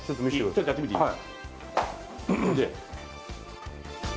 ちょっとやってみていい？